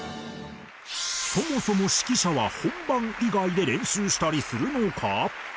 そもそも指揮者は本番以外で練習したりするのか？